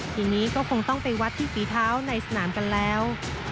ทีนี้ก็คงต้องไปวัดที่ฝีเท้าในสนามกันแล้ว